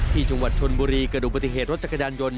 ที่จังหวัดชนบุรีกระดูกปฏิเหตุรถจักรยานยนต